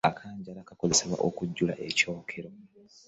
Akanjala kakozesebwa okujjula ekyokero.